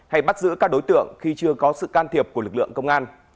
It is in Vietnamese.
hay bắt giữ các đối tượng khi chưa có sự can thiệp của lực lượng công an